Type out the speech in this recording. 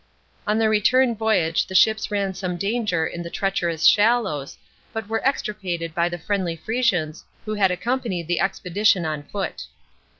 In the return voyage the ships ran some danger in the treacherous shallows, but weie extricated by the friendly Frisians who had accompanied the expedition on foot.